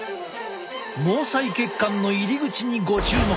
毛細血管の入り口にご注目。